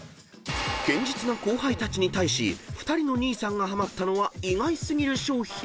［堅実な後輩たちに対し２人の兄さんがはまったのは意外過ぎる商品］